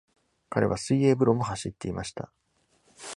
彼は水泳風呂も走っていました。